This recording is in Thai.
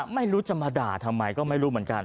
ไม่รู้จะมาด่าทำไมก็ไม่รู้เหมือนกัน